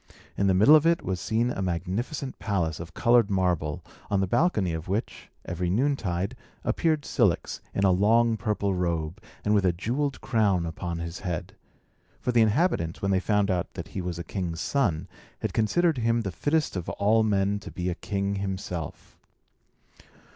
In the middle of it was seen a magnificent palace of coloured marble, on the balcony of which, every noontide, appeared Cilix, in a long purple robe, and with a jewelled crown upon his head; for the inhabitants, when they found out that he was a king's son, had considered him the fittest of all men to be a king himself.